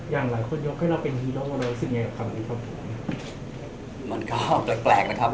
อย่างหลายคนยกให้เราเป็นฮีโร่แล้วสิ่งไงกับคำนี้ครับ